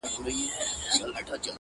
• لا له ځان سره بوڼیږي چي تنها وي -